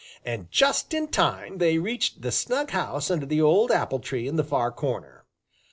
And just in time they reached the snug house under the old apple tree in the far corner.